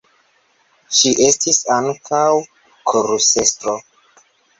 Ŝi estis ankaŭ korusestro.